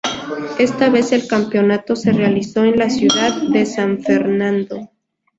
Esta vez el campeonato se realizó en la ciudad de San Fernando.